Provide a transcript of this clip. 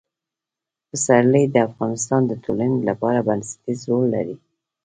پسرلی د افغانستان د ټولنې لپاره بنسټيز رول لري.